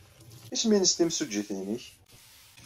Isem-nnes timsujjit-nnek?